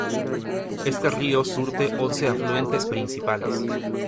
Este río surte once afluentes principales.